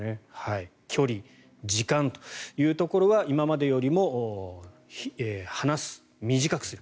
距離、時間というところは今までよりも離す短くする。